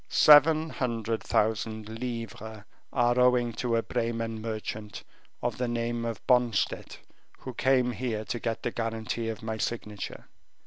"Seven hundred thousand livres are owing to a Bremen merchant of the name of Bonstett, who came here to get the guarantee of my signature."